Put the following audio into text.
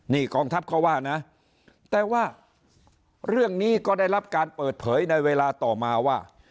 นี่กองทัพเขาว่านะแต่ว่าเรื่องนี้ก็ได้รับการเปิดเผยในเวลาต่อมาว่า